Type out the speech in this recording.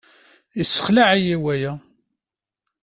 Yessexleɛ-iyi waya.